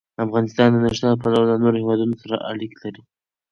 افغانستان د نورستان له پلوه له نورو هېوادونو سره اړیکې لري.